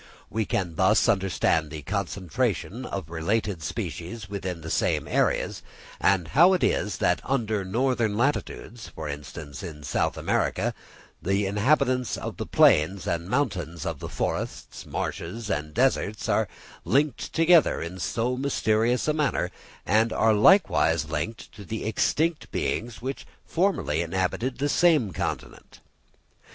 We can thus understand the concentration of related species within the same areas; and how it is that under different latitudes, for instance, in South America, the inhabitants of the plains and mountains, of the forests, marshes, and deserts, are linked together in so mysterious a manner, and are likewise linked to the extinct beings which formerly inhabited the same continent.